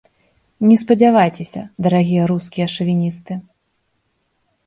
Не спадзявайцеся, дарагія рускія шавіністы.